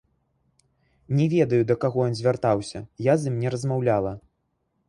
Не ведаю, да каго ён звяртаўся, я з ім не размаўляла.